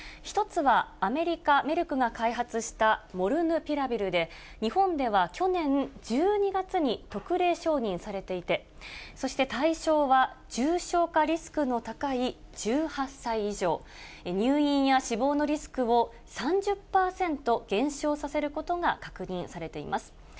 １つはアメリカ・メルクが開発した、モルヌピラビルで、日本では去年１２月に特例承認されていて、そして対象は重症化リスクの高い１８歳以上、入院や死亡のリスクを３０％減少させることが確認されています。